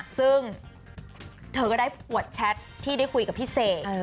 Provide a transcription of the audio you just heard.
ซึ่งเธอก็ได้อวดแชทที่ได้คุยกับพี่เสก